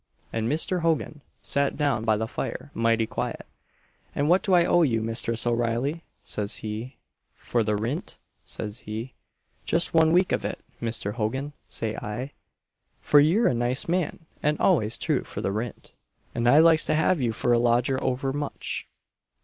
And Misther Hogan sat down by the fire mighty quiet 'And what do I owe you, Misthress O'Reilly,' says he 'for the rint?' says he. 'Just one week of it, Misther Hogan,' say I, 'for you're a nice man, and always true for the rint, and I likes to have you for a lodger overmuch.'